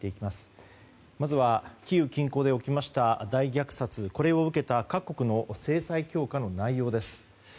まずキーウ近郊で起きました大虐殺を受けた各国の制裁強化の内容です。